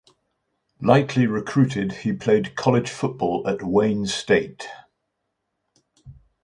Lightly recruited he played college football at Wayne State.